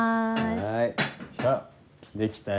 はいできたよ。